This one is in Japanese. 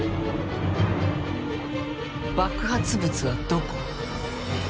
爆発物はどこ？